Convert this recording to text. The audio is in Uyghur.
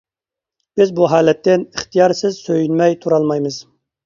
بىز بۇ ھالەتتىن ئىختىيارسىز سۆيۈنمەي تۇرالمايمىز.